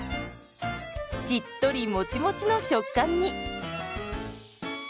しっとりモチモチの食感に！